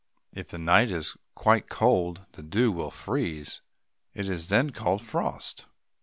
If the night is quite cold, the dew will freeze. It is then called frost.